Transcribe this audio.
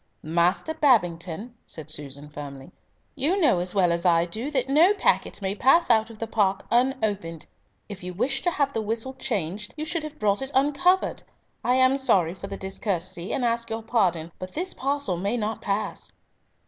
"Master Babington," said Susan firmly, "you know as well as I do that no packet may pass out of the park unopened. If you wished to have the whistle changed you should have brought it uncovered. I am sorry for the discourtesy, and ask your pardon, but this parcel may not pass."